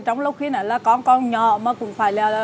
trong lúc khi này là con nhỏ mà cũng phải là